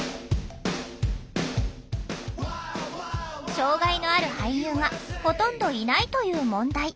障害のある俳優がほとんどいないという問題。